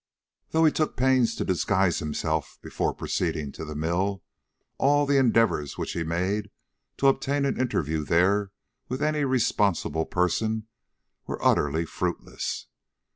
Though he took pains to disguise himself before proceeding to the mill, all the endeavors which he made to obtain an interview there with any responsible person were utterly fruitless.